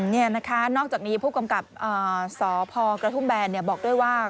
นี่นะคะนอกจากนี้ผู้กำกับสพกระทุ่มแบนบอกด้วยว่า